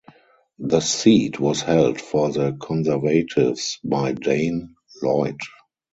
The seat was held for the Conservatives by Dane Lloyd.